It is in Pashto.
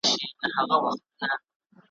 وراوي به راسي د توتکیو ,